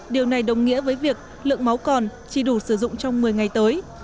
điều này đồng nghĩa với việc lượng máu còn chỉ đủ sử dụng trong một mươi ngày tới